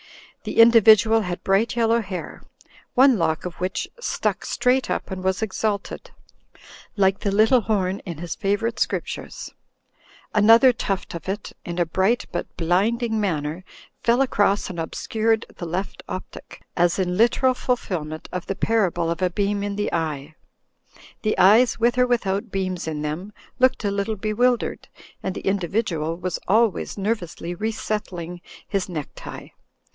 The individual had bright yellow hair, one lock of which stuck straight up and was exalted, like the little horn in his favorite scriptures. Another tuft of THE SEVEN MOODS OF DORIAN 199 it, in a bright but blinding manner, fell across and obscured the left optic, as in literal fulfilment of the parable of a beam in the eye. The eyes, with or with out beams in them, looked a little bewildered, and the individual was always nervously resettling his neck tie.